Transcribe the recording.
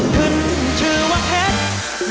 ขึ้นชื่อว่าเพชร